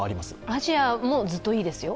アジアもずっといいですよ？